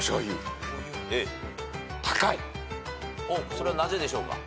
それはなぜでしょうか？